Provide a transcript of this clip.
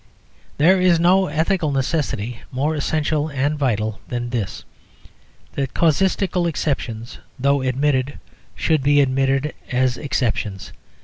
There is no ethical necessity more essential and vital than this: that casuistical exceptions, though admitted, should be admitted as exceptions.